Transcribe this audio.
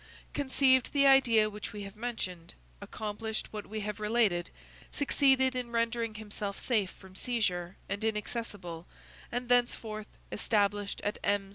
conceived the idea which we have mentioned, accomplished what we have related, succeeded in rendering himself safe from seizure and inaccessible, and, thenceforth, established at M.